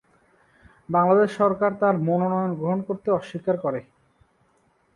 বাংলাদেশ সরকার তার মনোনয়ন গ্রহণ করতে অস্বীকার করে।